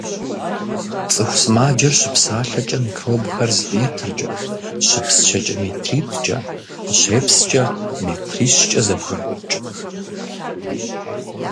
ЦӀыху сымаджэр щыпсалъэкӀэ микробхэр зы метркӀэ, щыпсчэкӀэ метритӏкӀэ, къыщепскӀэ метрищкӀэ зэбгрокӀ.